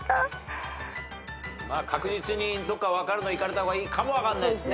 確実に分かるのいかれた方がいいかもわかんないですね。